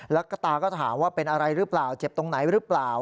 แล้วก็ตาก็ถามว่าเป็นอะไรหรือเปล่าเจ็บตรงไหนหรือเปล่า